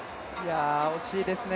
惜しいですね。